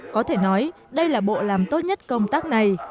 có thể nói đây là bộ làm tốt nhất công tác này